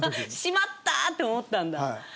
しまったー！って思ったんだ？